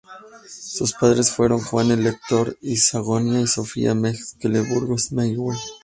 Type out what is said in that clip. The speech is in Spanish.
Sus padres fueron Juan Elector de Sajonia y Sofía de Mecklemburgo-Schwerin.